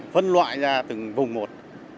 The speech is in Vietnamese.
phân loại ra từng vùng một